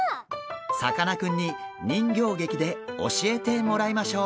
さかなクンに人形劇で教えてもらいましょう。